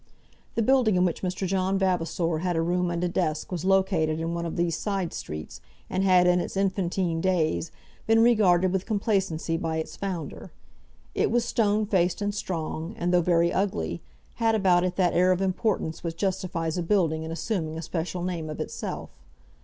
The building in which Mr. John Vavasor had a room and a desk was located in one of these side streets, and had, in its infantine days, been regarded with complacency by its founder. It was stone faced, and strong, and though very ugly, had about it that air of importance which justifies a building in assuming a special name of itself.